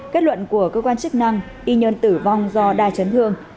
kết luận của cơ quan chức năng y nhân tử vong do đa chấn thương